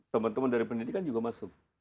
teman teman dari pendidikan juga masuk